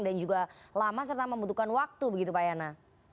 dan juga lama serta membutuhkan waktu begitu pak yana